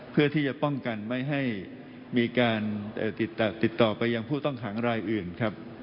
เพื่อที่จะป้องกันไม่ให้มีการติดต่อไปยังผู้ต้องขังรายอื่นครับ